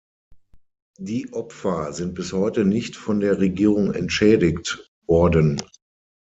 Die Opfer sind bis heute nicht von der Regierung entschädigt worden.